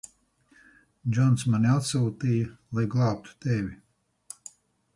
Džons mani atsūtīja, lai glābtu tevi.